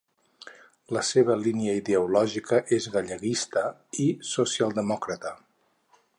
La seva línia ideològica és galleguista i socialdemòcrata.